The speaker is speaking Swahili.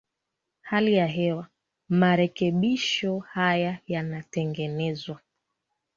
hali ya hewa Marekebisho haya yanatengenezwa